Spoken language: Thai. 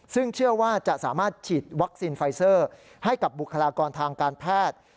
ซึ่งเชื่อว่าจะสามารถฉีดวัคซีนไฟเซอร์ให้กับบุคลากรทางการแพทย์